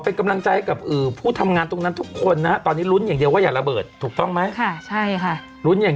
เป็นกำลังใจกับผู้ทำงานตรงนั้นทุกคนนะฮะตอนนี้ลุ้นอย่างเดียวว่าอย่าระเบิดถูกต้องไหม